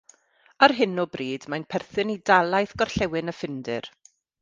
Ar hyn o bryd mae'n perthyn i dalaith Gorllewin y Ffindir.